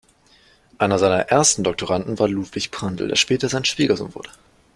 Einer seiner ersten Doktoranden war Ludwig Prandtl, der später sein Schwiegersohn wurde.